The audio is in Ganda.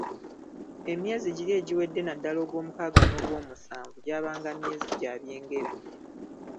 Emyezi giri egiwedde naddala ogw'omukaaga n'ogwomusanvu gyabanga myezi gya byengera.